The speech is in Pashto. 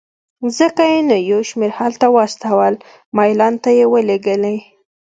ځکه یې نو یو شمېر هلته واستول، میلان ته یې ولېږلې.